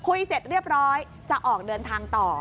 เสร็จเรียบร้อยจะออกเดินทางต่อ